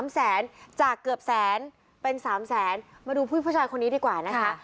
๓แสนจากเกือบแสนเป็น๓แสนมาดูผู้ชายคนนี้ดีกว่านะคะ